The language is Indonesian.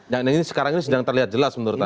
jadi sekarang ini sedang terlihat jelas menurut anda